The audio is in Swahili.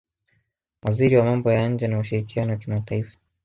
waziri wa mambo ya nje na ushirikiano wa kimataifa